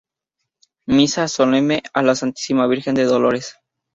Misa Solemne a la Santísima Virgen de los Dolores.